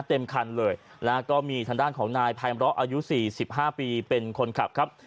เต็มคันเลยแล้วก็มีทางด้านของนายภัยมร้ออายุ๔๕ปีเป็นคนขับครับ